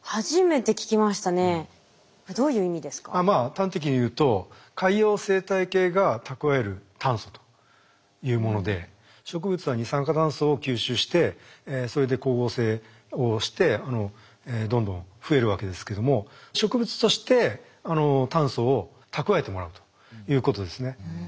端的に言うと海洋生態系が蓄える炭素というもので植物は二酸化炭素を吸収してそれで光合成をしてどんどん増えるわけですけども植物として炭素を蓄えてもらうということですね。